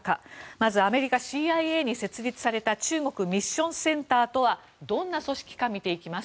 まず、アメリカＣＩＡに設立された中国ミッションセンターとはどんな組織か見ていきます。